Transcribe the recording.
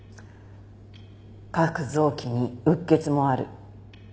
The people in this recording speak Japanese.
各臓器にうっ血もある。